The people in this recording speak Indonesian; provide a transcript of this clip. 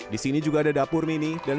di sini juga ada dapur mini